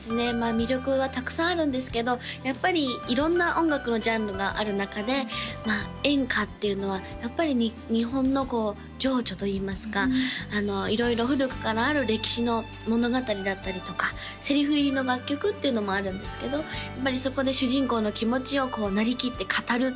魅力はたくさんあるんですけどやっぱり色んな音楽のジャンルがある中で演歌っていうのはやっぱり日本の情緒といいますか色々古くからある歴史の物語だったりとかセリフ入りの楽曲っていうのもあるんですけどそこで主人公の気持ちをこうなりきって語るっていう